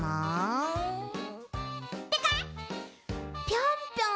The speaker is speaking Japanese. ぴょんぴょん？